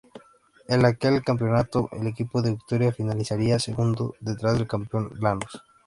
En aquel campeonato, el equipo de Victoria finalizaría segundo, detrás del campeón Lanús.